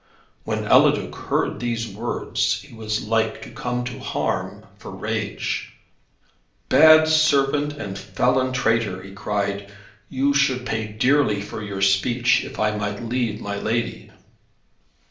When Eliduc heard these words he was like to come to harm for rage. "Bad servant and felon traitor," he cried, "you should pay dearly for your speech, if I might leave my lady."